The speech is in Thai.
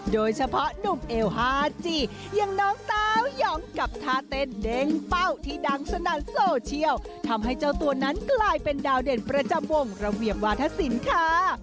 โดยเฉพาะหนุ่มเอลฮาจีอย่างน้องสาวหยองกับท่าเต้นเด้งเป้าที่ดังสนั่นโซเชียลทำให้เจ้าตัวนั้นกลายเป็นดาวเด่นประจำวงระเบียบวาธศิลป์ค่ะ